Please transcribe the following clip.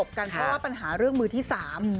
เพราะว่าปัญหาเรื่องมือที่สาม